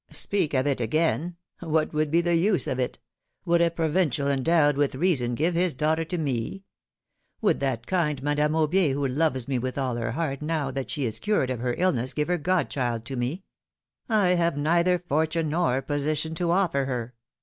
Speak of it again? What would be the use of it? Would a provincial endowed with reason give his daughter to me? Would that kind Madame Aubier, PHII.OMiiNE^S MARRIAGES. 181 who loves me with all her heart, now that she is cured of her illness, give her godchild to me? I have neither for tune nor position to offer her.